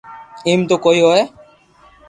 ايم تو ڪوئي ھوئي